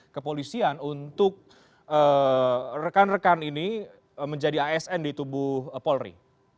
kepolisian untuk rekan rekan ini menjadi asn di tubuh polri